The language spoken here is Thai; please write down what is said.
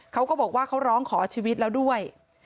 เขาก็บอกว่าเขาร้องขอชีวิตแล้วด้วย